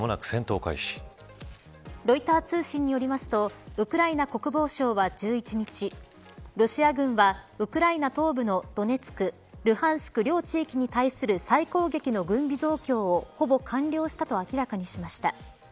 ロイター通信によりますとウクライナ国防省は１１日ロシア軍は、ウクライナ東部のドネツクルハンスク両地域に対する再攻撃の軍備増強を完了したと明らかにしました。